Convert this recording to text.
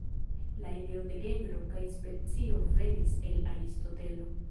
La ideo de genro kaj specio venis el Aristotelo.